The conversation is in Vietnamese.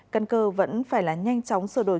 căn cơ vẫn phải là nhanh chóng sửa đổi